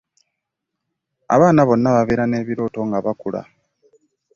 Abaana bonna babeera n'ebirooto nga bakula.